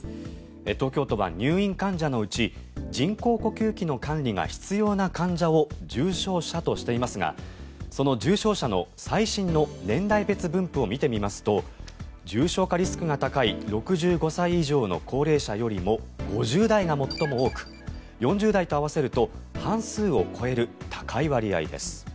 東京都は入院患者のうち人工呼吸器の管理が必要な患者を重症者としていますがその重症者の最新の年代別分布を見てみますと重症化リスクが高い６５歳以上の高齢者よりも５０代が最も多く４０代と合わせると半数を超える高い割合です。